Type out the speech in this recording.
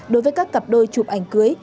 đối với các cặp đôi chụp ảnh cưới